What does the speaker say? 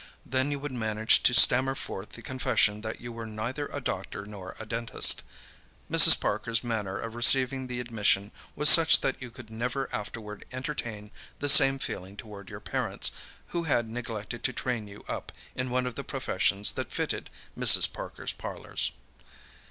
Then you would manage to stammer forth the confession that you were neither a doctor nor a dentist. Mrs. Parker's manner of receiving the admission was such that you could never afterward entertain the same feeling toward your parents, who had neglected to train you up in one of the professions that fitted Mrs. Parker's parlours.